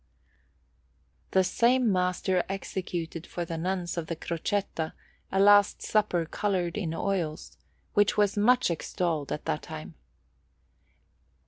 The same master executed for the Nuns of the Crocetta a Last Supper coloured in oils, which was much extolled at that time.